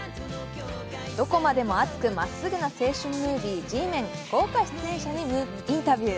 どこまでも熱くまっすぐな青春ムービー、「Ｇメン」の豪華出演者にインタビュー。